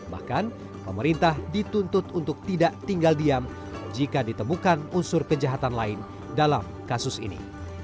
bahkan pemerintah dituntut untuk tidak tinggal diam jika ditemukan unsur kejahatan lain dalam kasus ini